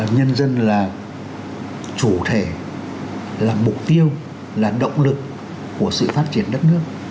nhân dân là chủ thể là mục tiêu là động lực của sự phát triển đất nước